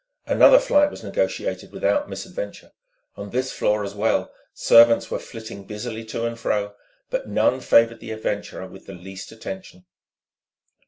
Another flight was negotiated without misadventure; on this floor as well servants were flitting busily to and fro, but none favoured the adventurer with the least attention.